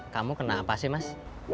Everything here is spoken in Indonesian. kamu kenapa sih mas